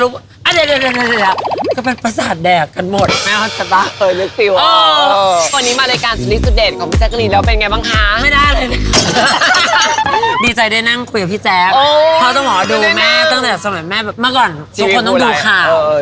บาร์โฮสระดับหนึ่งของเมืองไทยนะคะ